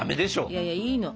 いやいやいいの。